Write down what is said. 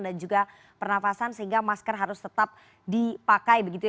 dan juga pernafasan sehingga masker harus tetap dipakai begitu ya